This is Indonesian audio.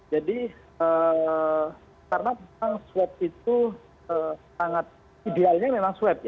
jadi karena swab itu idealnya memang swab